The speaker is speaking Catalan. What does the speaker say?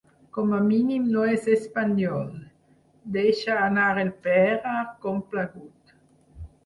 Com a mínim no és espanyol —deixa anar el Pere, complagut.